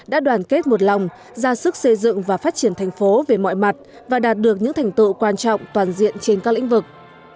đã đoàn kết một lòng ra sức xây dựng và phát triển thành phố về mọi mặt và đạt được những thành tựu quan trọng toàn diện trên các lĩnh vực